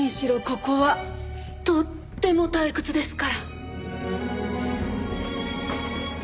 ここはとっても退屈ですから。